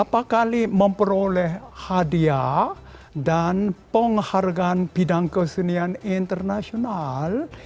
pertama kali memperoleh hadiah dan penghargaan bidang kesenian internasional